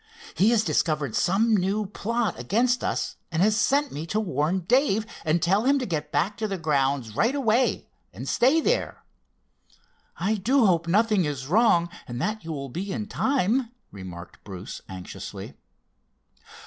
He has discovered some new plot against us and has sent me to warn Dave, and tell him to get back to the grounds right away, and stay there." "I do hope nothing is wrong, and that you will be in time," remarked Bruce anxiously.